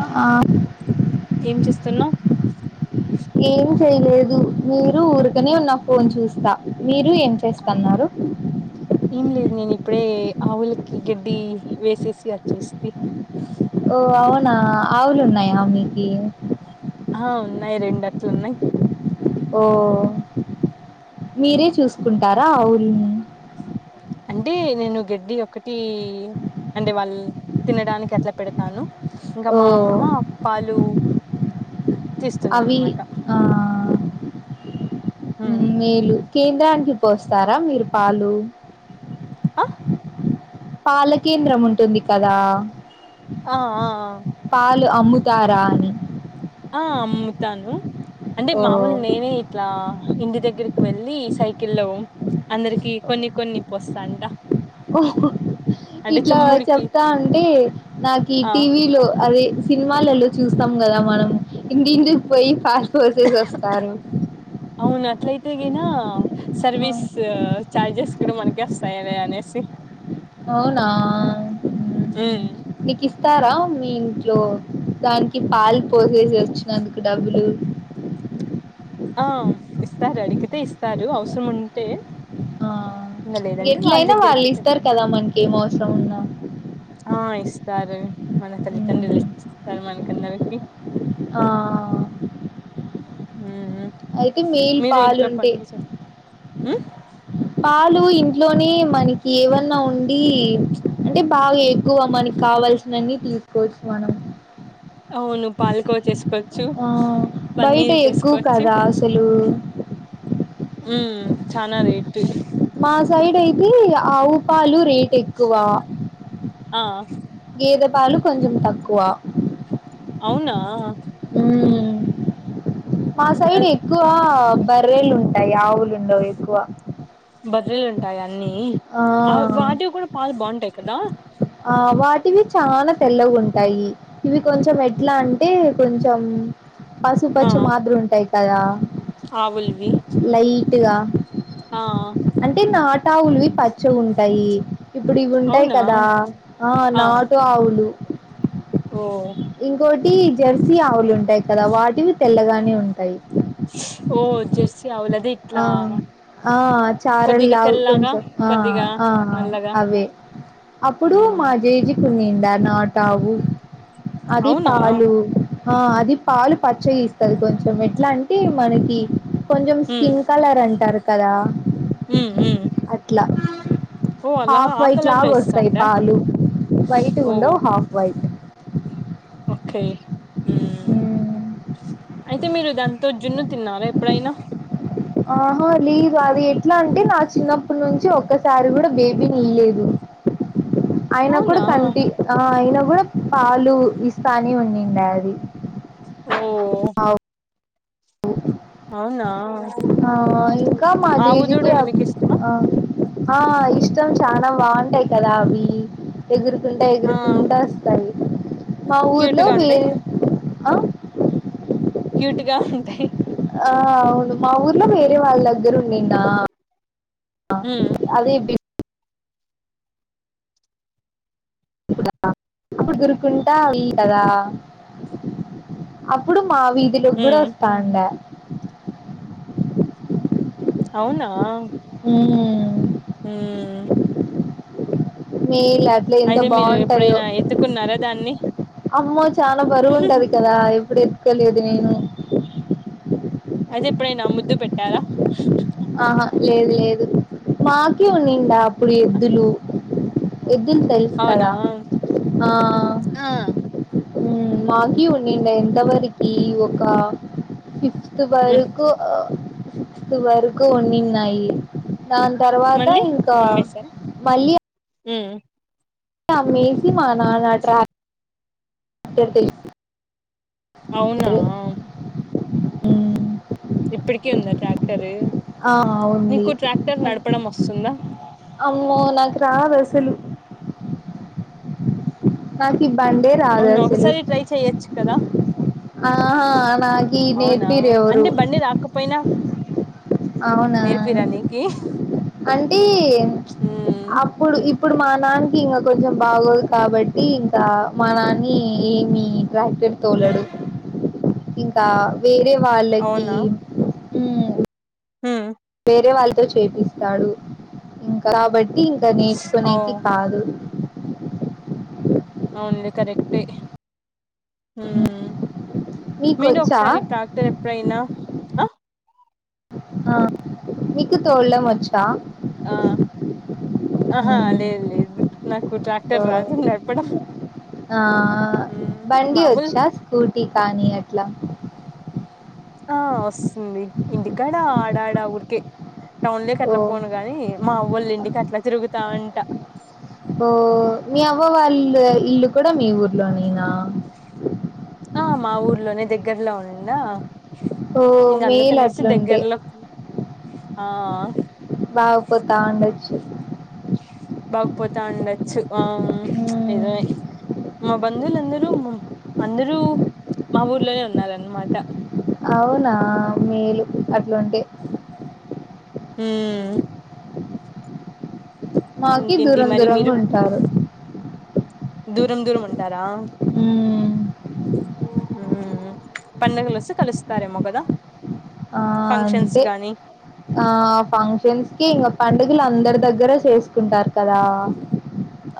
ఆ ఏం చేస్తున్నావ్ చేయ్లేదు మీరు ఊరుకనే ఉన్న ఫోన్ చూస్తా మీరు ఏం చేస్తన్నారు ఏం లేదు నేనిప్పుడే ఆవులకి గడ్డి వేసేసి అచ్చేస్తి ఓ అవునా ఆవులు ఉన్నాయా మీకి హ్ ఉన్నాయి రెండు అట్లున్నాయ్ ఓ మీరే చూసుకుంటా అంటీ నేను గడ్డి ఒకటి అంటే వాళ్ తినడానికి అట్లా పెడతాను ఇంకా ఓ మా అమ్మ అప్పాలు అవి ఆ ఉమ్. మేలు కేంద్రానికి పోస్తారా మీరు పాలు ఆ పాలకేంద్రం ఉంటుంది కదా ఆ ఆ పాలు అమ్ముతారా అని ఆ అమ్ముతాను అంటే ఓ మామూల్ నేనే ఇట్లా ఇంటి దగ్గరికి వెళ్ళి సైకిల్ల్లో అందరికి కొన్ని కొన్ని పోస్తాంట ఓ అంటే ఇట్లా చెమ్ముడికి చెప్తా అంటే నాకి ఆ టీవీలో అవి సినిమాలలు చూస్తాం గదా మనము ఇంటి ఇంటికి పోయి పాల్ అవును అట్లైతేగినా సర్వీస్ చార్జెస్ కూడా మనకె అస్తాయదే అనేసి అవునా ఉమ్ ఉహ్మ్ నికి స్తారా మీ ఇంట్లో దానికి పాలు పోసేసి వచ్చినందుకు డబ్బులు ఆ ఇస్తారడిగితే ఇస్తారు అవ్స్రముంటే ఆ ఎట్లయినా వాళ్ళు పెట్ ఇస్తారు కదా మనకి ఏం అవసరం ఉన్నా ఆ ఇస్తారు మన తల్లితండ్రులు [inaudible] ఇస్తారు మనకందరికి ఆ ఉమ్ అయితే మేలు మీరు పాలు ఇంట్లో ఉంటే పన్ల్ చే ఉమ్ పాలు ఇంట్లోనీ మనకి ఏవన్నా ఉండి అంటే బాగా ఎక్కువ మనకావల్సినన్ని తీసుకోవచ్చు మనం అవును పాలకోవ చేసుకోవచ్చు ఆ బయట పన్నీర్ ఎక్కువ చేసుకోవచ్చు కదా అసలు ఉమ్ చనా రేట్ మా సైడ్ అయితి ఆవు పాలు రేట్ ఎక్కువ ఆ గీద పాలు కొంచెం తక్కువ అవునా ఉమ్ మా సైడ్ ఎక్కువ బర్రెలు ఉంటాయి ఆవులు ఉండవు ఎక్కువ బదిలీలు ఉంటాయి అన్ని ఆ వాటివి కూడా పాలు బాగుంటాయి కదా ఆ వా ఇవి చాలా తెల్లగా ఉంటాయి ఇవి కొంచెం ఎట్లా అంటే కొంచెం పసుపు ఆ పచ్చి మాదిరి ఉంటాయి కదా ఆవుల్వి పెట్గా ఆ ఆ ఆవులువి పచ్చ ఉంటాయి ఇప్పుడు ఇవి ఉంటాయి అవునా కదా ఆ నాటు ఆవులు ఓ ఇంకోటి జెర్సీ ఆవులు ఉంటాయి కదా వాటివి తెల్లగానే ఉంటాయి ఓ జెర్సీ అవులు అది ఆ ఇట్లా ఆ కొద్దిగా చారలావు తెల్లగా కొంచెం ఆ కొద్దిగా ఆ నల్లగా అవే అప్పుడు మ్మ్ మా జేజ కుడా నాటా ఆవు అది అవునా పాలు ఆ అది పాలు పచ్చస్తుంది కొంచెం ఎట్లా అంటే మనకి కొం కొంచెం మ్మ్ స్కిన్ కలర్ అంటారు కదా మ్మ్ మ్మ్ అట్లా ఓ అలా హాఫ్ ఆ వైట్ కలర్ లో లాగా వస్తాయి ఇస్తాండా పాలు వైట్ ఓ ఉండవు హాఫ్ వైట్ ఓకే ఉమ్ అయితే మీరు దాంతో జున్ను తిన్నారా ఎప్పుడైనా ఆహా లేదు అది ఎట్లా అంటే నా చిన్నప్పటి నుంచి ఒక్కసారి కూడా బేబీ నిల్లేదు అయన కూడా అవునా కంటి ఆ అయిన కూడా పాలు ఇస్తానే ఉండే అది ఓ ఆవు అవునా ఆ ఇంకా మా ఆవు జేజికీ దూడలు మీకు ఇష్టమా ఆ ఇష్టం చాలా బాగుంటాయి కదా అవి ఎగురుతుంటే ఆ ఎగురుతుంటే వస్తాయి మా క్యూట్ ఊర్లో గా ఉంటాయి వేరు ఆ క్యూట్ గా ఉంటాయి ఆ అవును మా ఊర్లో వేరే వాళ్ళ దగ్గర ఉండిండా మ్మ్ అదే ఇప్పుడు దరుకుంటా అవి కదా అప్పుడు మా వీధిలో కూడా మ్మ్ వస్తాంటాయ్ అవునా ఉమ్మ్ మీలు అట్లు ఎంత అయితే మీరు బాగుంటాయో ఎప్పుడైనా ఎత్తుకున్నారా దాన్ని అమ్మో చాలా బరువుంటది కదా ఎప్పుడు ఎతుకోలేదు నేను అది ఎప్పుడైనా ముద్దు పెట్టారా ఆహా లేదు లేదు మాకి ఉండిండా అప్పుడు ఎద్దులు ఎద్దులు తెలుసు అవునా కదా ఆ ఆ మాకీ ఉండి ఎంతవరకి ఒక ఫిఫ్ ఫిఫ్టీయ్ మ్ వరకుస్తు ఫిఫ్టీయ్ వరకు వంన్నిడిన్నాయి దాని తర్వాత మళ్ళీ ఇంకా అమ్మేశారా మళ్ళీ మ్ ఆ అమ్మేసి మా నాన్న ట్రాక్ అవునా మ్ ఇప్పటికి ఉందా ట్రాక్టరు ఆ ఉంది అ వస్తుందా అమో నాకు రాదు అసలు నాకు ఇ బండే రాదు అవునా అసలు ఒకసారి ట్రై చెయొచ్చు కదా ఆహా నాకి అవునా నేర్పియర్ ఎవరో అంటే బండి రాకపోయినా అవునా నేర్పిరా నీకి అంటే మ్ అప్పుడు ఇ ఇప్పుడు మా నాన్నకి ఇంకా కొంచెం బాగోదు కాబట్టి ఇంకా మా నాన్న ఏమి ట్రాక్ట్ పెడు తళడు ఇంకా వేరే వాళ్ళకి హ వేరే వాళ్ళతో చేపిస్తాడు ఇంకా కాబట్టి ఇంకా ఓ నేర్చుకోనేకి కాదు అవునులే కరెక్ట్ హ మీరు మీకొచ్చా ఒకసారి ట్రాక్టర్ ఎప్పుడైనా ఆ ఆ మీకు తోల్డం వచ్చా ఆ ఆహా మ్మ్. లేదు లేదు నాకు ఓ ట్రాక్టర్ రాదు నడపడం ఆ మ్మ్ బండి మామూలు వచ్చా స్కూటీ కానీ అట్లా ఆ వస్తుంది ఇంటికాడా ఆడాఇడా ఊరికే టౌన్ లోకి ఓ అట్లా పోను గాని మా్వళ ఇంటికి అట్లా తిరుగుతాఉంటా ఓ మీ అవ్వ వాళ్ళు ఇల్లు కూడా మీ ఊర్లో నేనా ఆ మా ఊర్లోనే దగ్గరలో ఉందా ఓ ఇంక మేలు అందుకనేసి అట్లుంటే దగ్గరలో ఆ బావ కోత ఉండొచ్చు బాగుపోతా ఉండొచ్చు ఆ మ్మ్. ఏదో మా బంధువులుందరూ అందరూ మా ఊర్లోనే ఉన్నన్నమాట అవునా మేలు అట్లుంటే మ్మ్ మాకి ఇంకేంటి దూరం మరి మీరు దూరంగా ఉంటారు దూరం దూరం ఉంటారా మ్మ్ హ పడుగలు వస్త కలుస్తస్తారేమో కదా ఆ ఫంక్షన్స్ అంటే గాని ఆ ఫంక్షన్స్ కి ఇంకా పండుగలు అందరి దగ్గర చేసు కుంటారు కదా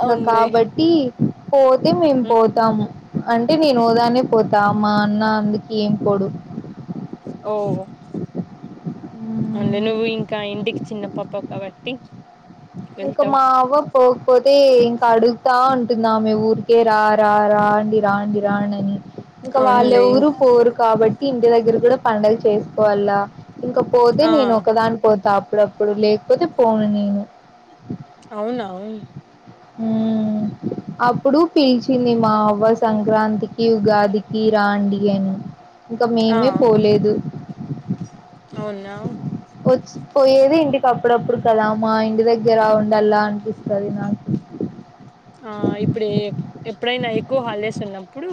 ఇంకా అవునులే కాబట్టి పోతే మేము పోతాము అంటే నేను ఓదానే పోతా అమ్ మా అన్న అందుక ఏం పోడు ఓ అందుే నువ్వు ఇంకా ఇంటికి చిన్న పాప కాబట్టి ఇంకా వెళ్తావు మా అవ్వ పోకపోతే ఇంకా అడుగుతా ఉంట తిందమ్ ఊరుకే రా రా రాండి రాండి రాండాని ఇంకా అవునులే వాళ్లేవ్రు పోరు కాబట్టి ఇంటి దగ్గర కూడా పండగ చేసుకోవాల్ల ఇంకా పోతే ఆ నేను ఒకదాన్ పోతా అప్పుడప్పుడు లేకపోతే పోను నేను అవునా ఉమ్ అప్పుడు పిలిచింది మా అవ్వ సంక్రాంతికి ఉగాదికి రాండి అని ఇంకా ఆ మేమే పోలేదు అవునా వచ్చి పోయేది ఇంటికప్పుడప్పుడు కద మా ఇంటి దగ్గర ఉండల్లా అనిపిస్తది నాకు ఆ ఇప్పుడు ఎ ఎప్పుడైనా ఎక్కువ హాల్డేస్ ఉన్నప్పుడు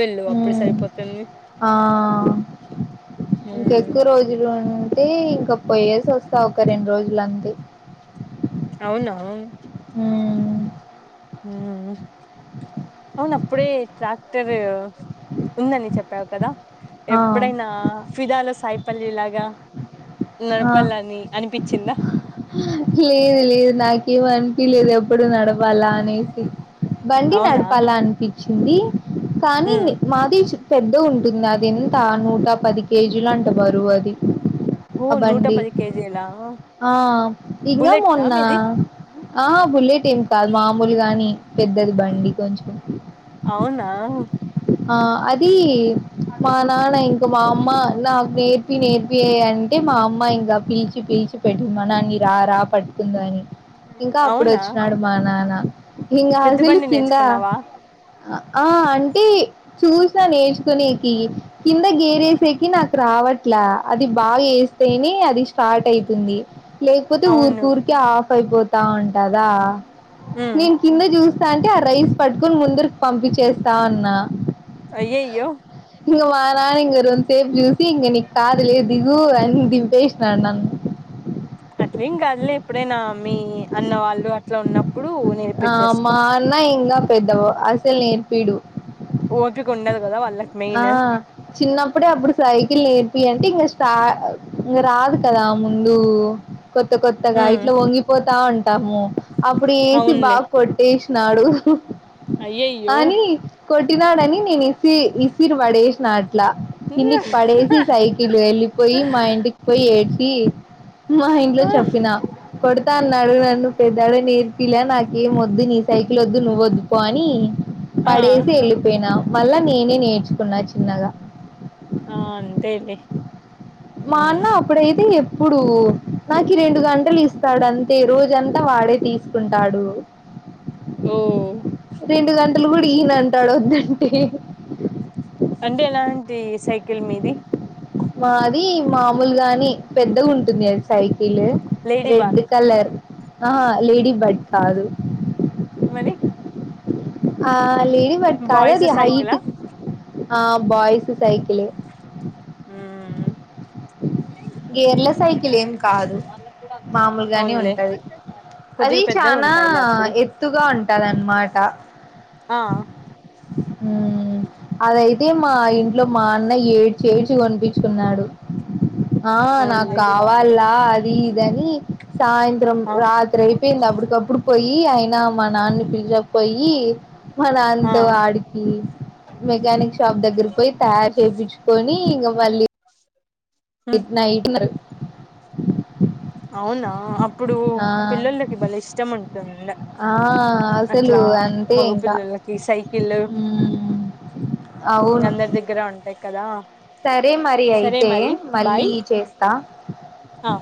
వెళ్ళు అప్పుడు మ్మ్ సరిపోతది ఇంకెక్కువ రోజులు టీ ఇంకా పోయేసి వస్తా ఒక రెండ్రోజులంతె అవునా అ అవును అప్పుడే ట్రాక్టర్ ఉందని చెప్పావు కదా ఆ ఎప్పుడైనా ఫిదలో సాయిపల్లవి లాగా ఆ నడపాలని అనిపిచ్చిందా లేదు లేదు నాకేం అనిపిలేదు అప్పుడు నడప్ వలా అనేసి బండి అవునా నడపాల అనిపిచ్చింది కానీ మ్మ్ నీ మాది చ్ పెద్దగుంటుంది అది ఎంత నూట పది కేజీలంట బరువది ఓ నూట పది కేజిలా ఆ ఇంగ మొన్న ఆ బులేట్ ఏం కాదు మామూల్ గాని పెద్దది బండి కొంచెం అవునా ఆ అది మా నాన మా అమ్మ నాక్ నేర్పి నేర్పియే అంటే మా అమ్మ ఇంగా పిల్చి పిల్చి పెట్ మా నాన్ని రా రా పట్టుకుందు అని ఇంకా అప్పుడు అవునా వచ్చినాడు మా నాన హింగ పెద్ద హాజలు బండి కింద నేర్చుకున్నావా ఆ అంటే చూస నేర్చుకునేకి కింద గేరేసేకి నాకు రావట్లే అది బాగేస్తేనే అది స్టార్ట్ అయి తుంది లేకపోతే ఊర్క్ అవును ఊరికె ఆఫ్ అయిపోతాం కదా ఉమ్ నేన్ కింద చూస్ సాంటే ఆ రైస్ పట్టుకుని ముందృక్ పంపించేస్తా అన్నా అయ్యయ్యో ఇంగ మ నాన్న ఇంగ రొంత్ సేపు చూసి ఇంగ నీక్ రాద్ లే దిగు అని దింపేసినాడ్ నన్ ళ్లే ఎప్పుడేనా మీ అన్న వాళ్లు అట్లా ఉన్న ఆ మా అన్న ఇంకా పెద్దవ అస్సల్ నేర్పిీడు ఓపికుండాద్ ఆ చిన్నప్పుడే అప్పుడు సైకిల్ నేర్ పియ్ అంటే ఇంగ స్టా ఇంగ రాదు కదా ముందు కొత్త కొత్తగా ఉమ్ ఇట్లా వంగిపోతా ఉంటాము అప్పుడు ఎసి అవునులే బాగా కొట్టేష్ నాడు అయ్యయ్యో కొట్టినాడని నేన్ ఇసి ఇసిర్ పడేశిన ట్లా కిందిక్ పడేసి సైకిల్ వెళ్ళిపోయి మా ఇంటికి పోయి ఏడ్శి మా ఇంట్లో ఆ చెప్పినా కొడతా అన్నాడు నన్ను పెద్దాడ నేర్పిల నాకేమొద్దు నీ సైకిల్ వద్దు నువ్ వద్దు పో అని ఆ పడేసి వెళ్ళిపోయినా మళ్ళ నేనే నేర్చు కున్నా చిన్నగా ఆ అంతే లే హ ఇప్పుడు నాకు రెండు గంటలు ఇస్తాడు అంతే రోజంతా వాడే తీసుకుంటాడు. ఓ అసలు కూడా ఈయన అంటాడు వద్దంటే అంటే ఎలాంటి సైకిల్ మీది? మాది మామూలుగాని పెద్దగా ఉంటుంది అది సైక్ ల్ లేడీ రెడ్ బార్ కలర్ ఆహా లేడీ బర్డ్ కాదు. మరి ఆ లేడి బట్ కా అద బాయ్స్ అది హైట్ సైకిలా ఆ బాయస్ సైకిలే హ గేర్ల సైకిల్ ఏం కాదు మామూలుగాని అవునులే ఉంటది. అది కొద్దిగా పెద్దగా చనా ఉంటాయిలే అప్పుడు ఎత్తుగా ఉంటది అన్నమాట. ఆ ఆ అదైతే మా ఇంట్లో మా అన్న ఏడ్చి ఏడ్చి కొనిపించుకున్నాడు. ఆ నాకు అవునులే కావాలా అది ఇదని సాయంత్రం ఆ రాత్రి అయిపోయింది అప్పుడు కపుడు పోయి అయినా మా నాన్న పిలిచకపోయి మ నాన్న ఆ తో ఆడికి మెకానిక్ షాప్ దగ్గర పోయి తయారు చేయించుకొని ఇంక మళ్ళీ గుడ్ నైట్ అవునా అప్పుడు ఆ పిల్లలకి బలే ఇష్టం ఉంటుంద ఆ అసలు అట్లా అంతే మగ ఇంకా పల్లలకి సైకిలు ఇంగ అవును అందరి దగ్గర ఉంటాయి కదా సరే మరి సరే అయితే మరి మళ్ళీ బాయ్ చేస్తా ఆ